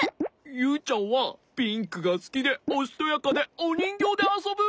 ユウちゃんはピンクがすきでおしとやかでおにんぎょうであそぶ！